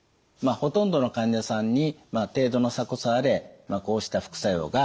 ほとんどの患者さんに程度の差こそあれこうした副作用が起こってきます。